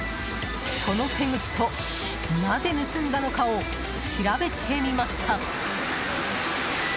その手口と、なぜ盗んだのかを調べてみました。